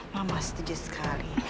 mama setuju sekali